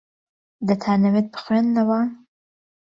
دەتانەوێت بخوێننەوە؟